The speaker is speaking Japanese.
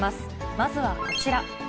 まずはこちら。